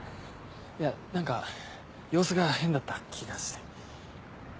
いや何か様子が変だった気がして。